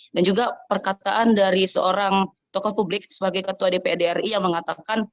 dan juga perkataan dari seorang tokoh publik sebagai ketua dprdri yang mengatakan